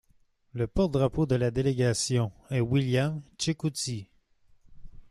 Le porte-drapeau de la délégation est William Chetcuti.